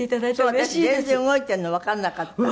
私全然動いてるのわかんなかった。